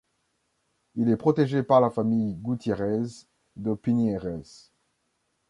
Il est protégé par la famille Gutiérrez de Piñeres.